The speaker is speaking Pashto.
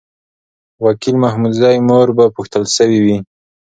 وکیل محمدزی مور به پوښتل سوې وي.